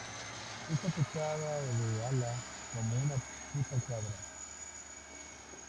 Está tocado del ala. Como una puta cabra